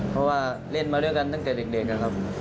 เพราะว่าเล่นมาด้วยกันตั้งแต่เด็กนะครับ